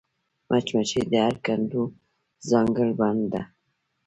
مچمچۍ د هر کندو ځانګړېنده ده